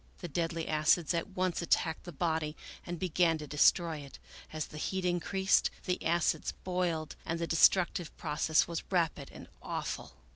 The deadly acids at once attacked the body and began to destroy it; as the heat increased, the acids boiled and the destructive process was rapid and awful.